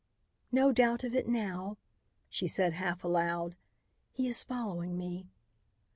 "No doubt of it now," she said half aloud. "He is following me."